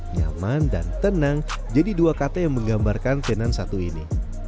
nyaman dan tenang jadi dua kata yang menggambarkan tenan satu ini